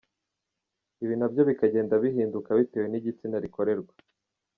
Ibi na byo bikagenda bihinduka bitewe n’igitsina rikorerwa.